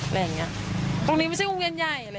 อะไรอย่างนี้ตรงนี้ไม่ใช่วงเวียนใหญ่อะไร